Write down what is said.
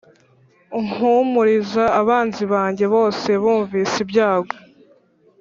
umpumuriza Abanzi banjye bose bumvise ibyago